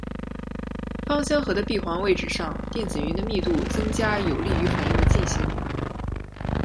芳香核的闭环位置上电子云的密度增加有利于反应的进行。